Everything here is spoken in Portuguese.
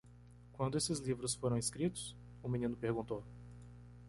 "Quando esses livros foram escritos?" o menino perguntou.